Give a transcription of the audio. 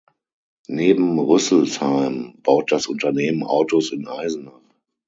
Neben Rüsselsheim baut das Unternehmen Autos in Eisenach.